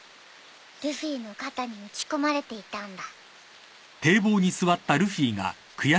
ルフィの肩に撃ち込まれていたんだ。